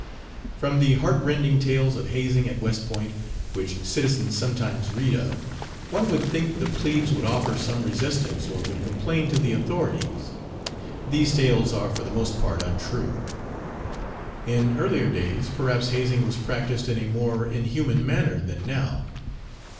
From the heartrending tales of hazing at West Point, which citizens sometimes read of, one would think the plebes would offer some resistance or would complain to the authorities. These tales are for the most part untrue. In earlier days perhaps hazing was practised in a more inhuman manner than now.